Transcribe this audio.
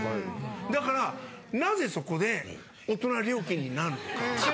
だからなぜそこで大人料金になるのか？